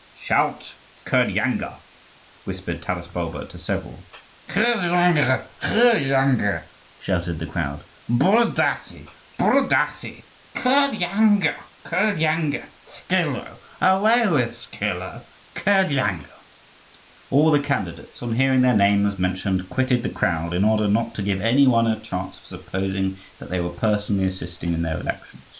"Shout Kirdyanga!" whispered Taras Bulba to several. "Kirdyanga, Kirdyanga!" shouted the crowd. "Borodaty, Borodaty! Kirdyanga, Kirdyanga! Schilo! Away with Schilo! Kirdyanga!" All the candidates, on hearing their names mentioned, quitted the crowd, in order not to give any one a chance of supposing that they were personally assisting in their election.